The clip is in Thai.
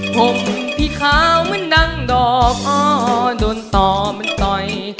ผมพี่ขาวมันดังดอกอ้อโดนต่อมันต่อย